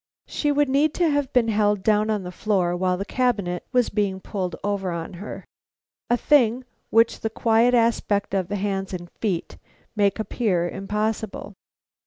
_ She would need to have been held down on the floor while the cabinet was being pulled over on her, a thing which the quiet aspect of the hands and feet make appear impossible.